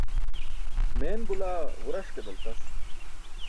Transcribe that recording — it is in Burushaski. Meen bulaa ġuraṣ ke daltas.